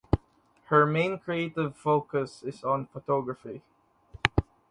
Her main creative focus is on photography.